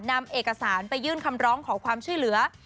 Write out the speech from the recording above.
นำเอกสารไปยื่นคำร้องขอความช่วยเหลือ